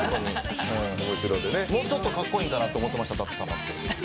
もうちょっとかっこいいんかなと思ってました、舘様。